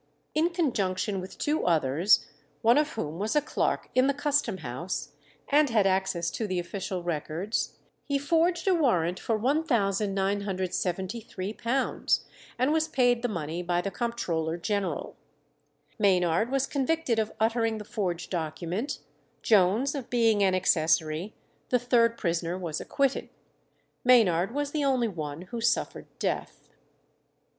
In conjunction with two others, one of whom was a clerk in the Custom House, and had access to the official records, he forged a warrant for £1973, and was paid the money by the comptroller general. Maynard was convicted of uttering the forged document, Jones of being an accessory; the third prisoner was acquitted. Maynard was the only one who suffered death.